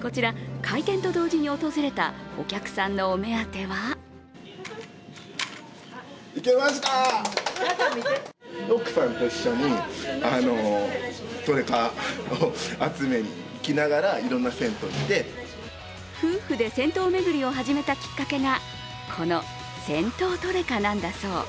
こちら、開店と同時に訪れたお客さんのお目当ては夫婦で銭湯巡りを始めたきっかけが、この銭湯トレカなんだそう。